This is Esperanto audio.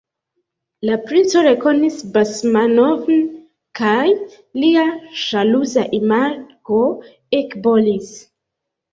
La princo rekonis Basmanov'n, kaj lia ĵaluza imago ekbolis.